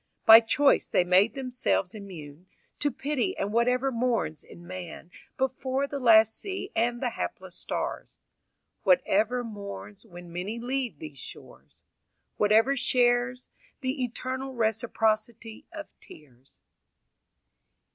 By choice they made themselves immune To pity and whatever mourns in man Before the last sea and the hapless stars; Whatever mourns when many leave these shores; Whatever shares The eternal reciprocity of tears.